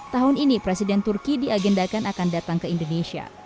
tahun ini presiden turki diagendakan akan datang ke indonesia